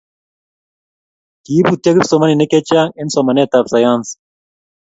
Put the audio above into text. Kiibutyo kipsimaninik chechang' eng' somanetab sayans